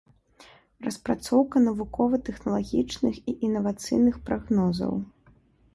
Распрацоўка навукова-тэхналагічных і інавацыйных прагнозаў.